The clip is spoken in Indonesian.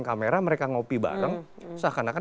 kamera mereka ngopi bareng seakan akan